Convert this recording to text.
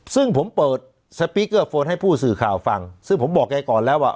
ซึ่งผมเปิดสปีกเกอร์โฟนให้ผู้สื่อข่าวฟังซึ่งผมบอกแกก่อนแล้วว่า